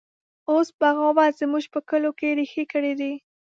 اوس بغاوت زموږ په کلو کې ریښې کړي دی